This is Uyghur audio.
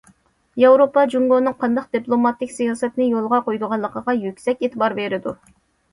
ياۋروپا جۇڭگونىڭ قانداق دىپلوماتىك سىياسەتنى يولغا قويىدىغانلىقىغا يۈكسەك ئېتىبار بېرىدۇ.